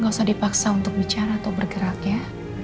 gak usah dipaksa untuk bicara atau bergerak ya